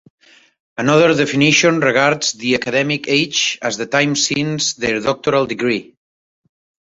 Another definition regards the academic age as the time since their doctoral degree.